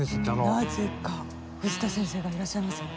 なぜか藤田先生がいらっしゃいますよ。